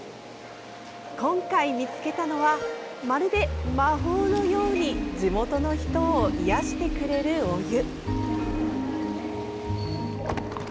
今回見つけたのはまるで魔法のように地元の人を癒やしてくれるお湯。